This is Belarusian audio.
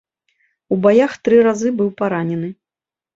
У баях тры разы быў паранены.